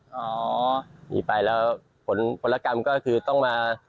ช่วยลูกน้อง